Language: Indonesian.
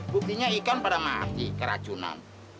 buktinya ikan pada mati keracunan